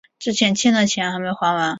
之前欠的钱还没还完